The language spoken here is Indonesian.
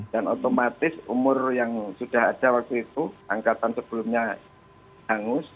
dan otomatis umur yang sudah ada waktu itu angkatan sebelumnya hangus